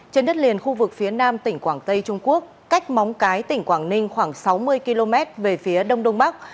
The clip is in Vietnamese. trên đất liền khu vực phía nam tỉnh quảng tây trung quốc cách móng cái tỉnh quảng ninh khoảng sáu mươi km về phía đông đông bắc